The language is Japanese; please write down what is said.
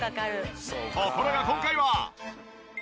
ところが今回は。